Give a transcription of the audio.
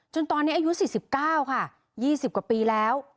ตอนนี้อายุ๔๙ค่ะ๒๐กว่าปีแล้ว